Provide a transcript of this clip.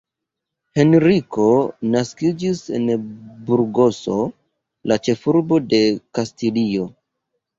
Henriko naskiĝis en Burgoso, la ĉefurbo de Kastilio.